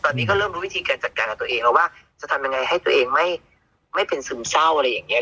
ตอนนี้ก็เริ่มรู้วิธีการจัดการกับตัวเองแล้วว่าจะทำยังไงให้ตัวเองไม่เป็นซึมเศร้าอะไรอย่างนี้